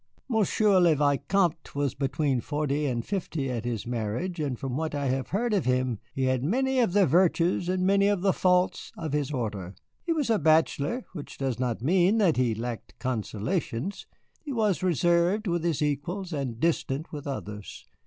Monsieur le Vicomte was between forty and fifty at his marriage, and from what I have heard of him he had many of the virtues and many of the faults of his order. He was a bachelor, which does not mean that he had lacked consolations. He was reserved with his equals, and distant with others.